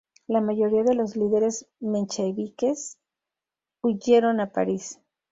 La mayoría de los líderes mencheviques huyeron a París.